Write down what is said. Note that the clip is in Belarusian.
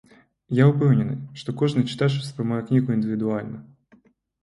Я ўпэўнены, што кожны чытач успрымае кнігу індывідуальна.